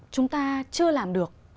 chúng ta chưa làm được